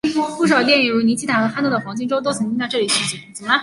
不少电影如尼基塔和憨豆的黄金周都曾经在这里取景。